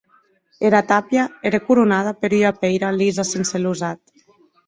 Era tàpia ère coronada per ua pèira lisa sense losat.